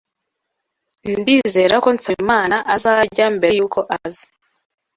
Ndizera ko Nsabimana azarya mbere yuko aza.